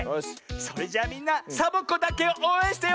それじゃみんなサボ子だけをおうえんしてよ！